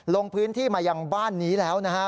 ลงพื้นที่มาอย่างบ้านนี้แล้วนะครับ